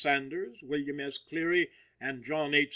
Sanders, William S. Cleary and John H.